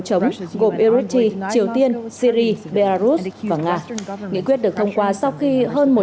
chống gồm eritrea triều tiên syri belarus và nga nghị quyết được thông qua sau khi hơn một trăm linh